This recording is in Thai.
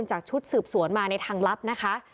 แม่น้องชมพู่แม่น้องชมพู่